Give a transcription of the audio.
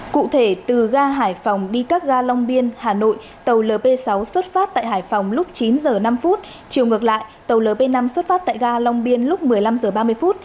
cụ thể từ ga hải phòng đi các ga long biên hà nội tàu lp sáu xuất phát tại hải phòng lúc chín h năm chiều ngược lại tàu lp năm xuất phát tại ga long biên lúc một mươi năm h ba mươi